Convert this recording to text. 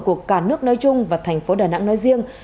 của cả nước nói chung và thành phố đà nẵng nói riêng